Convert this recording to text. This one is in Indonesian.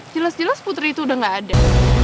jelas jelas putri itu udah gak ada